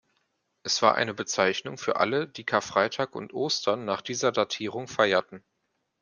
Es war eine Bezeichnung für alle, die Karfreitag und Ostern nach dieser Datierung feierten.